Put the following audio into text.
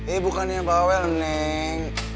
eh bukannya bawel neng